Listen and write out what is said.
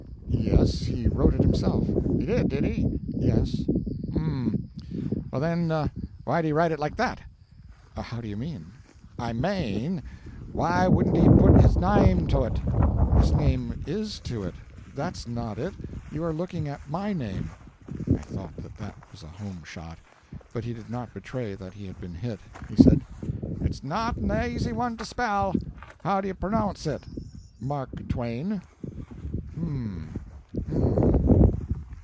"Yes he wrote it himself." "He did, did he?" "Yes." "H'm. Well, then, why ud he write it like that?" "How do you mean?" "I mane, why wudn't he put his naime to ut?" "His name is to it. That's not it you are looking at my name." I thought that that was a home shot, but he did not betray that he had been hit. He said: "It's not an aisy one to spell; how do you pronounce ut?" "Mark Twain." "H'm. H'm.